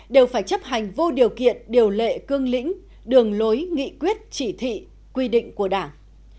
đều phải chấp hành vô điều kiện điều lệ cương lĩnh đường lối nghị quyết chỉ thị quy định của đảng